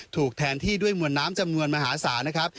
ถูกแทนที่ด้วยมวลน้ำจำนวนมหาศาลนะครับ